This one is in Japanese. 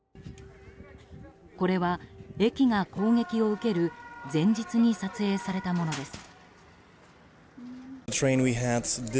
これは駅が攻撃を受ける前日に撮影されたものです。